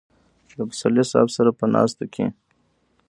له پسرلي صاحب سره په ناستو کې.